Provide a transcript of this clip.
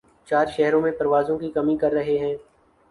چار شہرو ں میں پروازوں کی کمی کر رہے ہیں